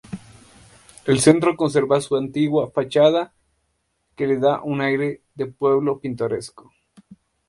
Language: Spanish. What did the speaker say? El centro conserva su antigua fachada que le da un aire de pueblo pintoresco.